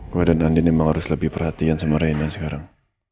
gue dan andin emang harus lebih perhatian sama reina sekarang